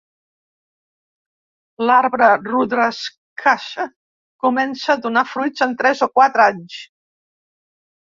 L'arbre rudraksha comença a donar fruits en tres o quatre anys.